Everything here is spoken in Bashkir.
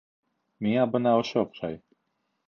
Миңә бына ошо оҡшай